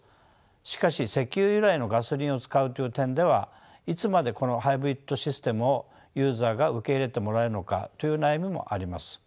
しかし石油由来のガソリンを使うという点ではいつまでこのハイブリッドシステムをユーザーが受け入れてもらえるのかという悩みもあります。